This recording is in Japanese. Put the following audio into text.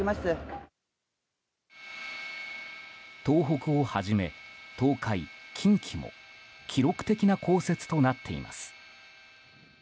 東北をはじめ、東海・近畿も記録的な降雪となっています。